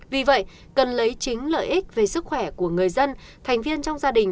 vì vậy cần lấy chính lợi ích về sức khỏe của người dân thành viên trong gia đình